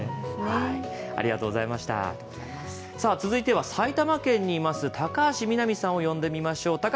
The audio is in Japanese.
続いては、埼玉県にいます高橋みなみさんを呼んでみましょう。